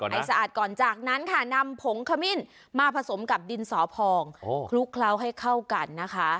สะอาดก่อนจากนั้นค่ะนำผงขมิ้นมาผสมกับดินสอพองคลุกเคล้าให้เข้ากันนะคะ